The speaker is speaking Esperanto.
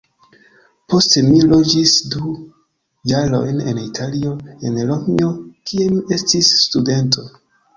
Poste mi loĝis du jarojn en Italio, en Romo, kie mi estis studento.